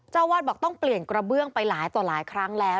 เจ้าวาดบอกต้องเปลี่ยนกระเบื้องไปหลายต่อหลายครั้งแล้ว